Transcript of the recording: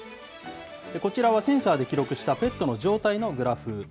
こちらはセンサーで記録したペットの状態のグラフ。